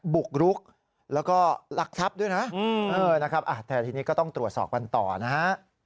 บุกรุกแล้วก็ลักทรัพย์ด้วยนะนะครับแต่ทีนี้ก็ต้องตรวจสอบกันต่อนะฮะ